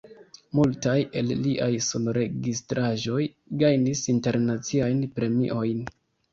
Multaj el liaj sonregistraĵoj gajnis internaciajn premiojn.